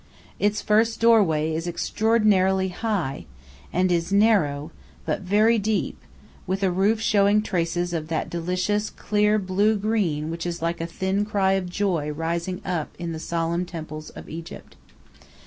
Its first doorway is extraordinarily high, and is narrow, but very deep, with a roof showing traces of that delicious clear blue green which is like a thin cry of joy rising up in the solemn temples of Egypt.